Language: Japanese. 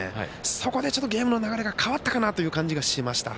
そこでちょっとゲームの流れが変わったかなという感じがしました。